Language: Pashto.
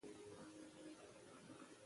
افغانستان له لمریز ځواک ډک دی.